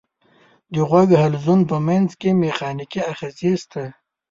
د غوږ حلزون په منځ کې مېخانیکي آخذې شته.